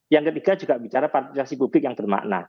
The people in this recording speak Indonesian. yang ketiga juga bicara partisipasi publik yang bermakna